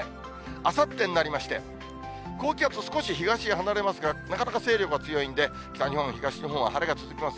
あさってになりまして、高気圧、少し東へ離れますが、なかなか勢力が強いんで、北日本、東日本は晴れが続きます。